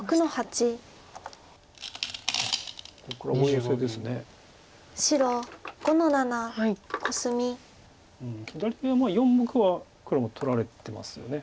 左上は４目は黒も取られてますよね。